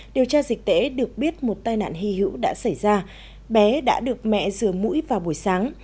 điều tra dịch tễ được biết một tai nạn hy hữu đã xảy ra bé đã được mẹ rửa mũi vào buổi sáng